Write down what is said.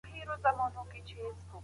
هیوادونه به ګډي ناستي جوړوي.